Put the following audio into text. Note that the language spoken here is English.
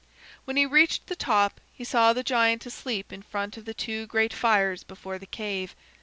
When he reached the top he saw the giant asleep in front of the two great fires before the cave.